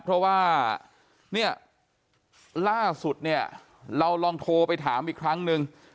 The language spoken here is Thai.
เพราะว่าล่าสุดเราลองโทรไปถามอีกครั้งหนึ่ง